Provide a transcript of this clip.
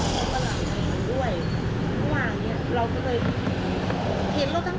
เขาก็บอกเราว่าเข้าไปในห้องหังเริ่มแรกก็ไปจับลมเขาเข้าหว่าง